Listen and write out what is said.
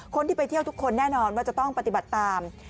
คนที่ไปเที่ยวทุกคนแน่นอนว่าจะต้องปฏิบัติตาม